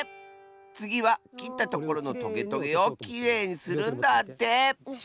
つぎはきったところのトゲトゲをきれいにするんだって！